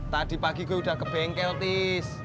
tadi pagi gue udah ke bengkel tis